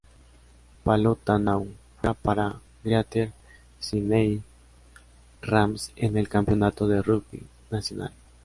Polota-Nau juega para Greater Sydney Rams en el Campeonato de Rugby Nacional.